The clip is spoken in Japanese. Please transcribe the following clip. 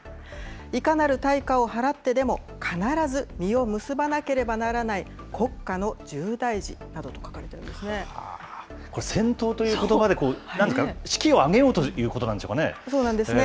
いかなる対価を払ってでも、必ず実を結ばなければならない国家の重大事などと書かれているんこれ、戦闘ということばでなんか士気を上げようということなんでしょうそうなんですね。